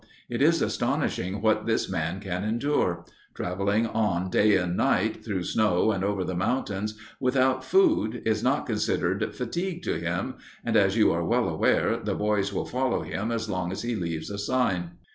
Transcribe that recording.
It is astonishing what this man can endure. Traveling on day and night, through snow and over the mountains, without food, is not considered fatigue to him, and as you are well aware the boys will follow him as long as he leaves a sign.